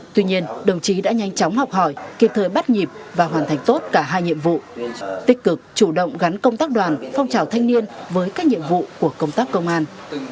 tuy nhiên đồng chí đã nhanh chóng học hỏi kịp thời bắt nhịp và hoàn thành tốt cả hai nhiệm vụ tích cực chủ động gắn công tác đoàn phong trào thanh niên với các nhiệm vụ của công tác công an